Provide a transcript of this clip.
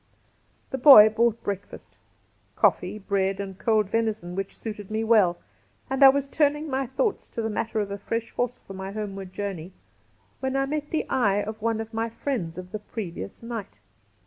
The boy brought breakfast — coffee, bread, and cold venison, which suited me well — and I was turning my thoughts to the matter of a fresh horse for my homeward journey when I met the eye of one of my friends of the previous night.